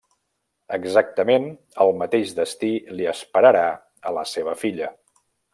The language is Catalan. Exactament el mateix destí li esperarà a la seva filla.